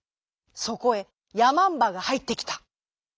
そこへやまんばがはいってきた。